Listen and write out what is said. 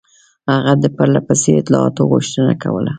هغه د پرله پسې اطلاعاتو غوښتنه کوله.